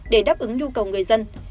để đáp ứng nhu cầu người dân